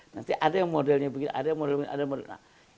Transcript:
nanti ada yang modelnya begini ada yang modelnya begini ada yang modelnya begini